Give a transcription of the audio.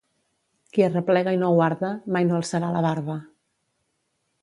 Qui arreplega i no guarda, mai no alçarà la barba.